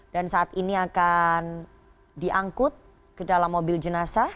dan saat ini akan diangkut ke dalam mobil jenasa